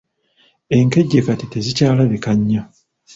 Enkejje kati tezikyalabika nnyo.